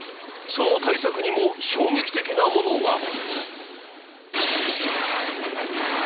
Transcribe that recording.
その対策にも衝撃的なものが！